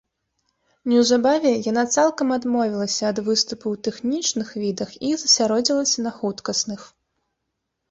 Неўзабаве, яна цалкам адмовілася ад выступу ў тэхнічных відах і засяродзілася на хуткасных.